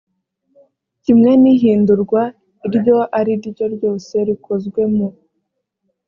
kimwe n ihindurwa iryo ari ryo ryose rikozwe mu